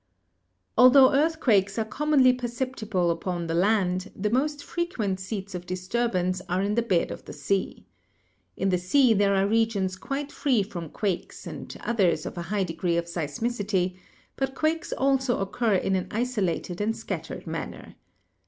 Altho earthquakes are commonly perceptible upon the land, the most frequent seats of disturbance are in the bed of the sea. In the sea there are regions quite free from quakes and others of a high degree of seismicity, but quakes also occur in an isolated and scattered manner.